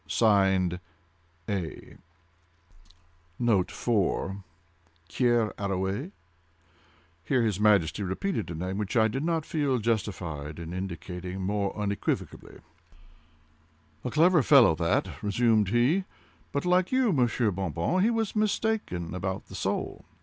(Signed) A...." {*4} (Here His Majesty repeated a name which I did not feel justified in indicating more unequivocally.) {*4} Quere Arouet? "A clever fellow that," resumed he; "but like you, Monsieur Bon Bon, he was mistaken about the soul.